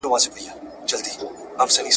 زه به سندري ويلي وي؟